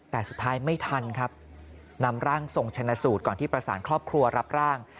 แต่สุดท้ายไม่ทันครับนำร่างทรงชนะสูตรก่อนที่ประสานครอบครัวรับร่าง